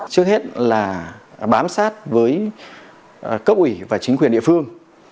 trước hết là bám sát với cấp ủy và chính quyền địa phương